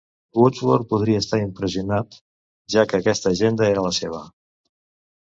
Wordsworth podria estar impressionat, ja que aquesta agenda era la seva.